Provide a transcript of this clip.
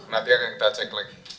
nanti akan kita cek lagi